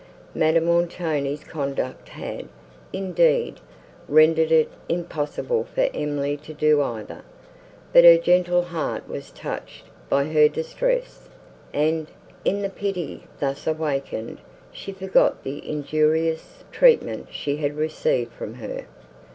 Madame Montoni's conduct had, indeed, rendered it impossible for Emily to do either; but her gentle heart was touched by her distress, and, in the pity thus awakened, she forgot the injurious treatment she had received from her.